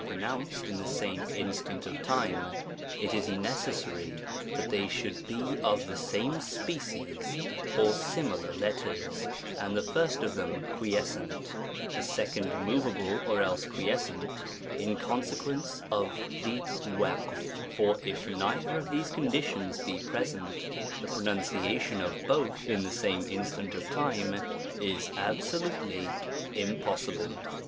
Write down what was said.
pro nounced in the same instant of time, it is necessary that they should be of the safne species or similar letters, and the first of them quieseent/the second moveable or else quiescent, in consequence of the for if neither of these conditions be present F o * 43 A TREATISE OS THE the pronunciation of both in the same instant of time is absolutely impossible.